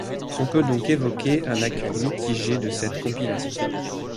On peut donc évoquer un accueil mitigé de cette compilation.